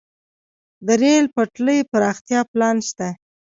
د ریل پټلۍ پراختیا پلان شته